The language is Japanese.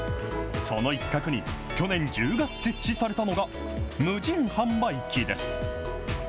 その一角に去年１０月、設置されたのが、無人販売機です。